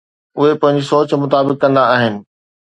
اهي پنهنجي سوچ مطابق ڪندا آهن.